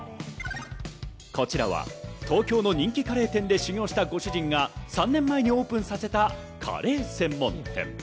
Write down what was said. こちらは東京の人気カレー店で修業したご主人が３年前にオープンさせたカレー専門店。